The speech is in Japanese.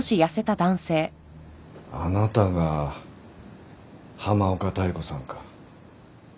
あなたが浜岡妙子さんか。